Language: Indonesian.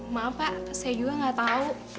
maaf pak saya juga gak tau